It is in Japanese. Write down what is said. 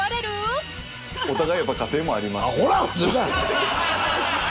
お互いやっぱ家庭もありますし。